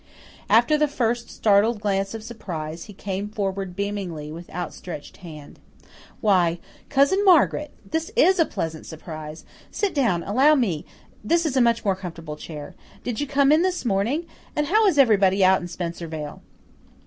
After the first startled glance of surprise, he came forward beamingly, with outstretched hand. "Why, Cousin Margaret! This is a pleasant surprise. Sit down allow me, this is a much more comfortable chair. Did you come in this morning? And how is everybody out in Spencervale?"